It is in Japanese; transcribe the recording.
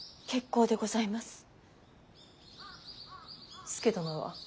結構でございます。